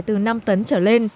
từ năm tấn trở lên